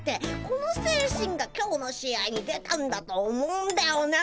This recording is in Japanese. この精神が今日の試合に出たんだと思うんだよね。